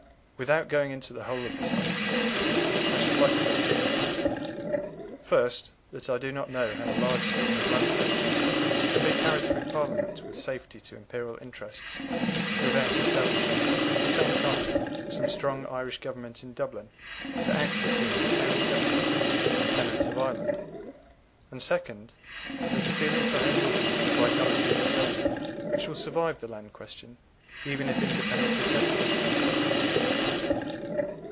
Without going into the whole of this argument, I should like to say two things: first, that I do not know how a large scheme of Land Purchase can be carried through Parliament with safety to Imperial interests without establishing, at the same time, some strong Irish Government in Dublin to act between the Imperial Government and the tenants of Ireland; and, second, that the feeling for Home Rule has a vitality of its own which will survive the Land question, even if independently settled.